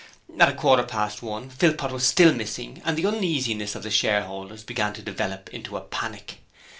At a quarter past one, Philpot was still missing and the uneasiness of the shareholders began to develop into a panic.